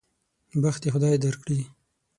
بخت دې خدای درکړي.